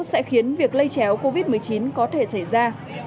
sẽ khiến việc lây chéo covid một mươi chín có thể xảy ra